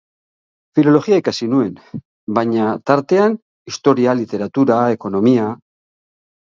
Filologia ikasi nuen, baina, tartean, historia, literatura, ekonomia...